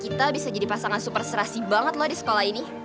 kita bisa jadi pasangan super serasi banget lo di sekolah ini